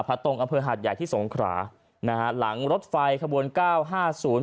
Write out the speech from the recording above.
ตรงอำเภอหาดใหญ่ที่สงขรานะฮะหลังรถไฟขบวนเก้าห้าศูนย์